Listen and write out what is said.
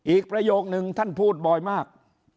ประโยคนึงท่านพูดบ่อยมาก